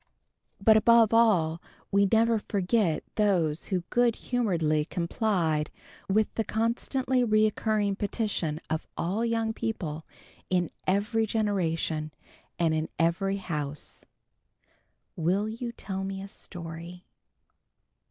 But above all, we never forget those who good humouredly complied with the constantly recurring petition of all young people in every generation, and in every house "Will you tell me a story?"